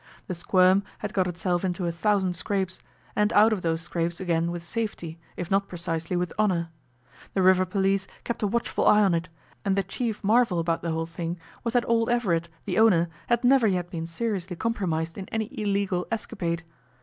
The 'Squirm' had got itself into a thousand scrapes, and out of those scrapes again with safety, if not precisely with honour. The river police kept a watchful eye on it, and the chief marvel about the whole thing was that old Everett, the owner, had never yet been seriously compromised in any illegal escapade.